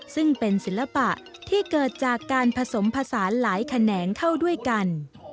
ซึ่งเป็นศิลปะที่เกิดจากการผสมผสานหลายแขนงเข้าด้วยกัน